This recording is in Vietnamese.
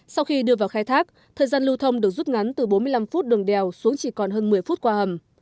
sau khi đưa vào khai thác thời gian lưu thông được rút ngắn từ bốn mươi năm phút đường đèo xuống chỉ còn hơn một mươi phút qua hầm